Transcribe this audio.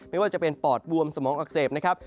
ไม่ว่าจะเป็นปอดบวมสมองอักเสบนะครับ